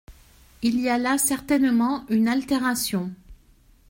Il y a là certainement une altération.